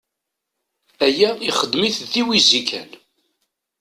Aya ixdem-it d tiwizi kan.